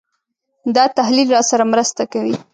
دا تحلیل راسره مرسته کوي.